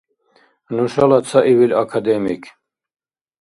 Нушала цаибил академик